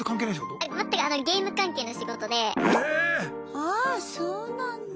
ああそうなんだ。